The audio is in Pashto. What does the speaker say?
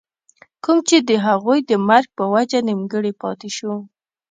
کوم چې َد هغوي د مرګ پۀ وجه نيمګري پاتې شو